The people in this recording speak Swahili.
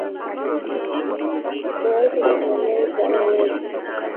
imarisha ushirikiano wetu kusimamia uhusiano wetu